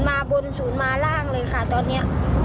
๐มาบน๐มาล่างเลยค่ะตอนนี้